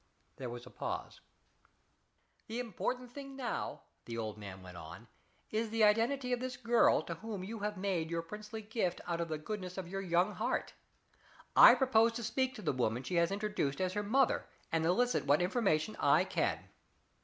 There was a pause. "The important point now," the old man went on, "is the identity of this girl to whom you have made your princely gift, out of the goodness of your young heart. I propose to speak to the woman she has introduced as her mother, and elicit what information I can."